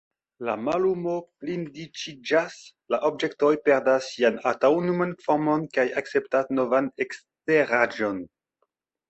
La mallumo plidensiĝas; la objektoj perdas sian antaŭan formon kaj akceptas novan eksteraĵon.